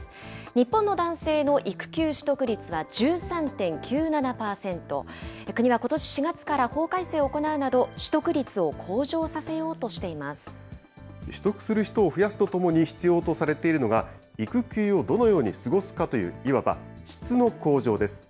日本の男性の育休取得率は、１３．９７％、国はことし４月から法改正を行うなど、取得率を向上させ取得する人を増やすとともに必要とされているのが、育休をどのように過ごすかという、いわば質の向上です。